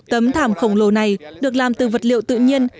tấm thảm khổng lồ này được làm từ vật liệu tự nhiên